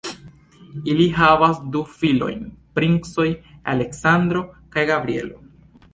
Ili havas du filojn, princoj Aleksandro kaj Gabrielo.